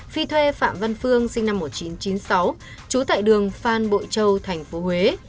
phi thuê phạm văn phương sinh năm một nghìn chín trăm chín mươi sáu trú tại đường phan bội châu tp huế